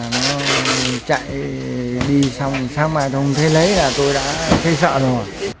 nên là nó chạy đi xong xong rồi cháu lấy là tôi đã thấy sợ rồi